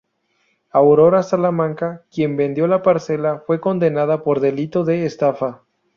Aurora Salamanca, quien vendió la parcela, fue condenada por delito de estafa.